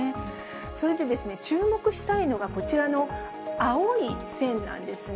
それで、注目したいのがこちらの青い線なんですね。